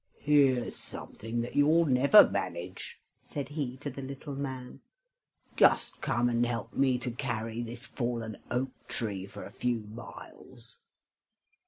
"Here's something that you'll never manage," said he to the little man. "Just come and help me to carry this fallen oak tree for a few miles."